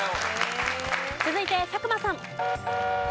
続いて佐久間さん。